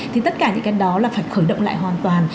thì tất cả những cái đó là phải khởi động lại hoàn toàn